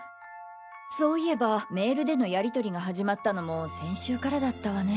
そう言えばメールでのやりとりが始まったのも先週からだったわね。